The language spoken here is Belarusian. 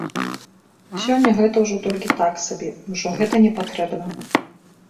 Сёння гэта ўжо толькі так сабе і ўжо гэта непатрэбна.